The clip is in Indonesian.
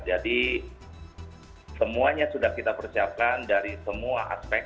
jadi semuanya sudah kita persiapkan dari semua aspek